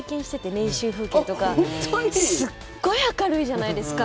練習風景とか、すっごい明るいじゃないですか。